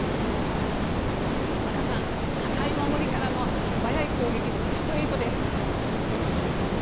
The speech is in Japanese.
田中さん堅い守りからの素早い攻撃で素晴らしいですね。